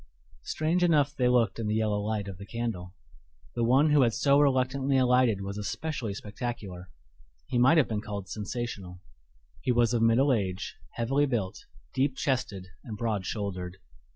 Strange enough they looked in the yellow light of the candle. The one who had so reluctantly alighted was especially spectacular he might have been called sensational. He was of middle age, heavily built, deep chested, and broad shouldered.